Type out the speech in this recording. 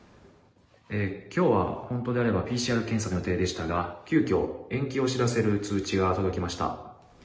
今日は本当であればＰＣＲ検査の予定でしたが、急きょ、延期を知らせる通知が届きました。